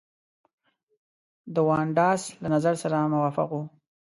دونډاس له نظر سره موافق وو.